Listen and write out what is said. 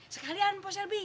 sekalian pos shelby